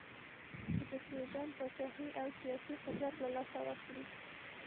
چې د سوډان پاچهي او سیاسي قدرت له لاسه ورکړي.